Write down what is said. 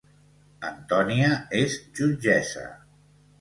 Antònia és jutgessa